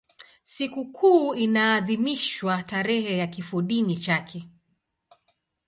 Sikukuu inaadhimishwa tarehe ya kifodini chake.